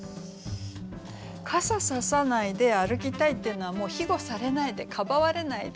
「傘ささないで歩きたい」っていうのはもうひごされないでかばわれないで。